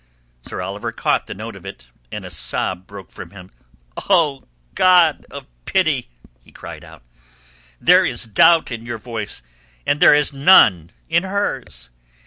Sir Oliver caught the note of it, and a sob broke from him. "O God of pity!" he cried out. "There is doubt in your voice, and there is none in hers.